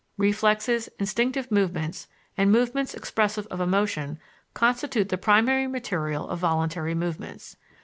Reflexes, instinctive movements, and movements expressive of emotion constitute the primary material of voluntary movements.